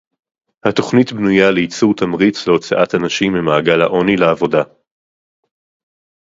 התוכנית בנויה ליצור תמריץ להוצאת אנשים ממעגל העוני לעבודה